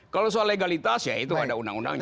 kalau soal legalitas ya itu ada undang undangnya